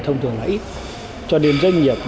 thông thường là ít cho đến doanh nghiệp